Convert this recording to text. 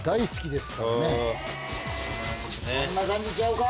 こんな感じちゃうか？